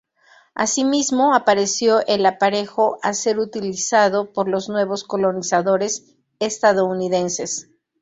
Asimismo, apareció el aparejo a ser utilizado por los nuevos colonizadores estadounidenses.